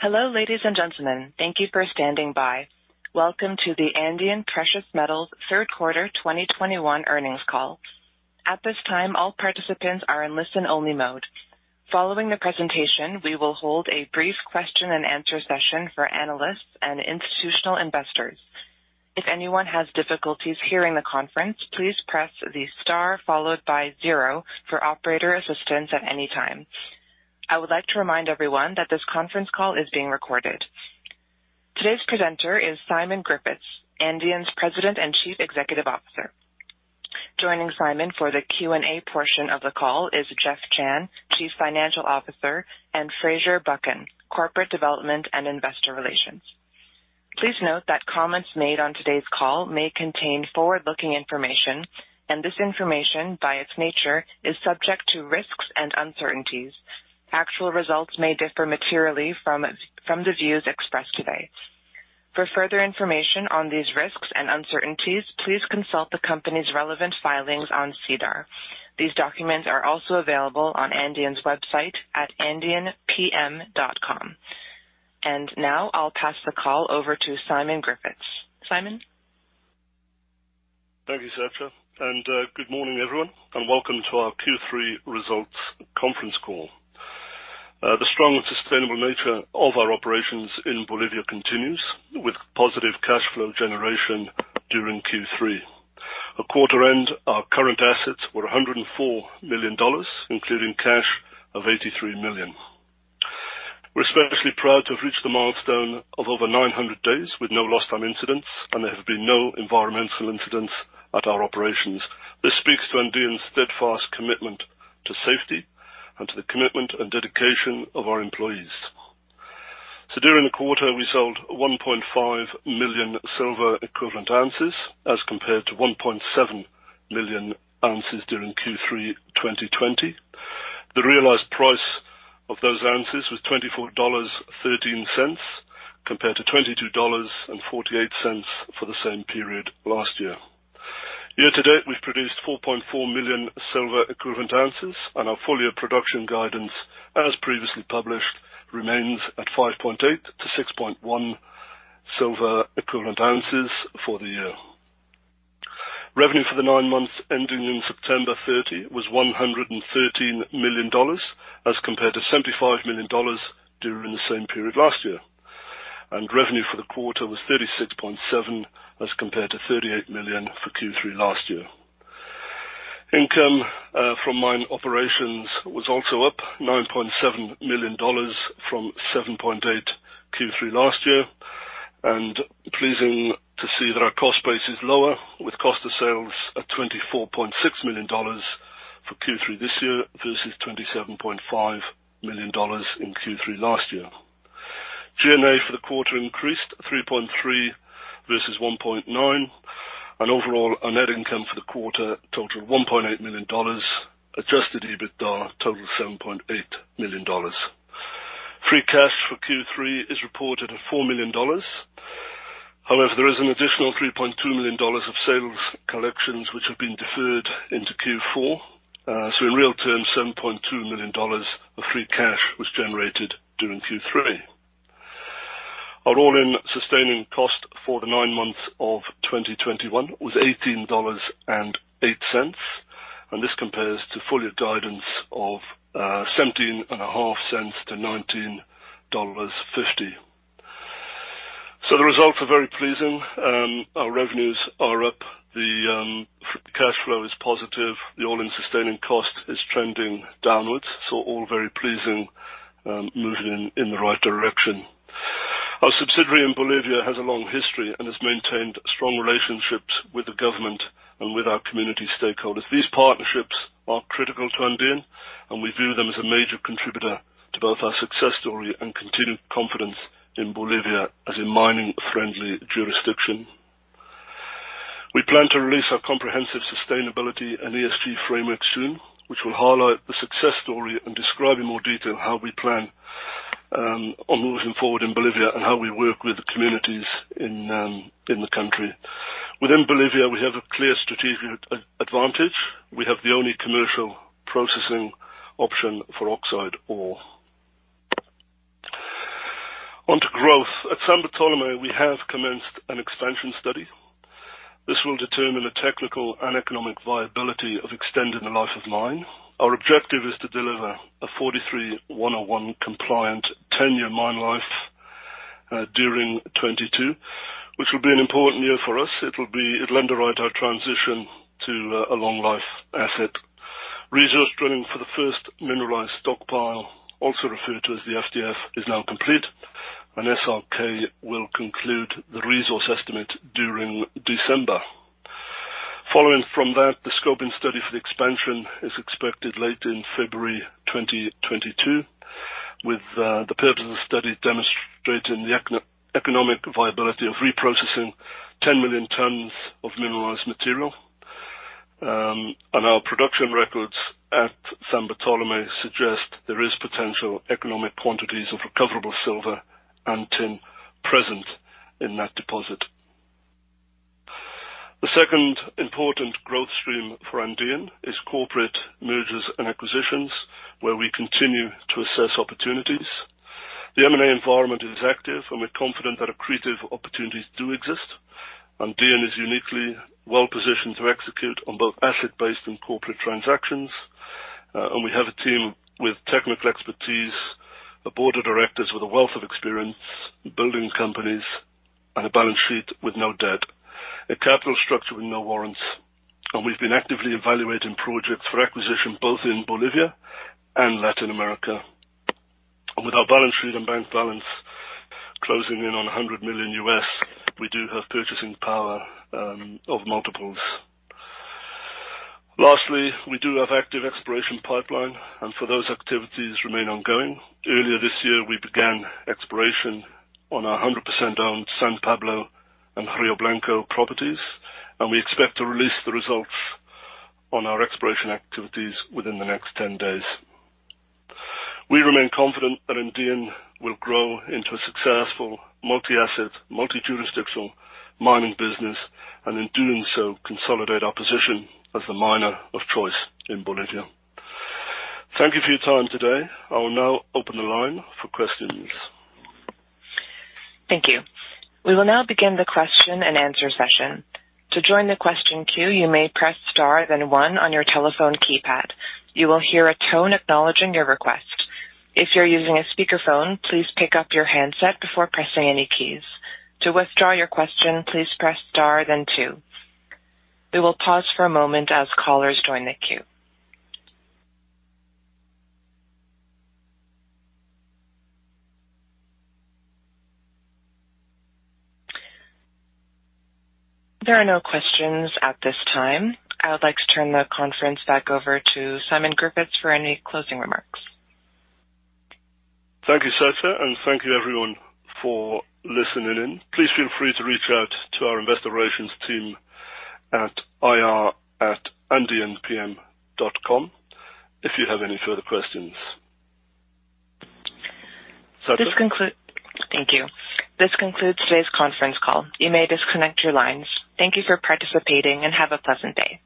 Hello, ladies and gentlemen. Thank you for standing by. Welcome to the Andean Precious Metals Q3 2021 Earnings Call. At this time, all participants are in listen-only mode. Following the presentation, we will hold a brief question-and-answer session for analysts and institutional investors. If anyone has difficulties hearing the conference, please press the star followed by zero for operator assistance at any time. I would like to remind everyone that this conference call is being recorded. Today's presenter is Simon Griffiths, Andean's President and Chief Executive Officer. Joining Simon for the Q&A portion of the call is Jeff Chan, Chief Financial Officer, and Fraser Buchan, Corporate Development and Investor Relations. Please note that comments made on today's call may contain forward-looking information, and this information, by its nature, is subject to risks and uncertainties. Actual results may differ materially from the views expressed today. For further information on these risks and uncertainties, please consult the company's relevant filings on SEDAR. These documents are also available on Andean's website at andeanpm.com. Now, I'll pass the call over to Simon Griffiths. Simon? Thank you, Sasha. Good morning, everyone, and welcome to our Q3 results conference call. The strong and sustainable nature of our operations in Bolivia continues, with positive cash flow generation during Q3. At quarter end, our current assets were $104 million, including cash of $83 million. We're especially proud to have reached the milestone of over 900 days with no lost time incidents, and there have been no environmental incidents at our operations. This speaks to Andean's steadfast commitment to safety and to the commitment and dedication of our employees. During the quarter, we sold 1.5 million silver equivalent ounces as compared to 1.7 million ounces during Q3 2020. The realized price of those ounces was $24.13 compared to $22.48 for the same period last year. Year to date, we've produced 4.4 million silver equivalent ounces, and our full-year production guidance, as previously published, remains at 5.8-6.1 million silver equivalent ounces for the year. Revenue for the nine months ending September 30 was $113 million, as compared to $75 million during the same period last year. Revenue for the quarter was $36.7 million, as compared to $38 million for Q3 last year. Income from mine operations was also up $9.7 million from $7.8 million Q3 last year. Pleasing to see that our cost base is lower, with cost of sales at $24.6 million for Q3 this year versus $27.5 million in Q3 last year. G&A for the quarter increased $3.3 million versus $1.9 million. Overall, our net income for the quarter totaled $1.8 million. Adjusted EBITDA totaled $7.8 million. Free cash for Q3 is reported at $4 million. However, there is an additional $3.2 million of sales collections which have been deferred into Q4. In real terms, $7.2 million of free cash was generated during Q3. Our all-in sustaining cost for the nine months of 2021 was $18.08, and this compares to full-year guidance of $17.50-$19.50. The results are very pleasing. Our revenues are up. The cash flow is positive. The all-in sustaining cost is trending downwards. All very pleasing, moving in the right direction. Our subsidiary in Bolivia has a long history and has maintained strong relationships with the government and with our community stakeholders. These partnerships are critical to Andean, and we view them as a major contributor to both our success story and continued confidence in Bolivia as a mining-friendly jurisdiction. We plan to release our comprehensive sustainability and ESG framework soon, which will highlight the success story and describe in more detail how we plan on moving forward in Bolivia and how we work with the communities in the country. Within Bolivia, we have a clear strategic advantage. We have the only commercial processing option for oxide ore. On to growth. At San Bartolomé, we have commenced an expansion study. This will determine the technical and economic viability of extending the life of mine. Our objective is to deliver a NI 43-101 compliant 10-year mine life during 2022, which will be an important year for us. It'll underwrite our transition to a long-life asset. Resource drilling for the first mineralized stockpile, also referred to as the FDF, is now complete, and SRK will conclude the resource estimate during December. Following from that, the scoping study for the expansion is expected late in February 2022, with the purpose of the study demonstrating the economic viability of reprocessing 10 million tons of mineralized material. Our production records at San Bartolomé suggest there is potential economic quantities of recoverable silver and tin present in that deposit. Second important growth stream for Andean is corporate mergers and acquisitions, where we continue to assess opportunities. The M&A environment is active, and we're confident that accretive opportunities do exist. Andean is uniquely well-positioned to execute on both asset-based and corporate transactions. We have a team with technical expertise, a board of directors with a wealth of experience building companies and a balance sheet with no debt, a capital structure with no warrants. We've been actively evaluating projects for acquisition both in Bolivia and Latin America. With our balance sheet and bank balance closing in on $100 million, we do have purchasing power of multiples. Lastly, we do have active exploration pipeline, and those activities remain ongoing. Earlier this year, we began exploration on our 100% owned San Pablo and Rio Blanco properties, and we expect to release the results on our exploration activities within the next 10 days. We remain confident that Andean will grow into a successful multi-asset, multi-jurisdictional mining business, and in doing so, consolidate our position as the miner of choice in Bolivia. Thank you for your time today. I will now open the line for questions. Thank you. We will now begin the question and answer session. To join the question queue, you may press star then one on your telephone keypad. You will hear a tone acknowledging your request. If you're using a speakerphone, please pick up your handset before pressing any keys. To withdraw your question, please press star then two. We will pause for a moment as callers join the queue. There are no questions at this time. I would like to turn the conference back over to Simon Griffiths for any closing remarks. Thank you, Sasha, and thank you everyone for listening in. Please feel free to reach out to our investor relations team at ir@andeanpm.com if you have any further questions. Sasha? This concludes today's conference call. You may disconnect your lines. Thank you for participating and have a pleasant day.